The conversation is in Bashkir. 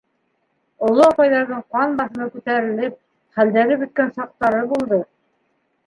Оло апайҙарҙың ҡан баҫымы күтәрелеп, хәлдәре бөткән саҡтары булды.